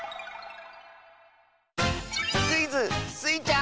クイズ「スイちゃん」！